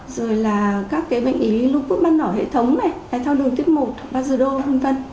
rồi là các bệnh lý lũ bút ban đỏ hệ thống này đáy tháo đủ tích một bazodol v v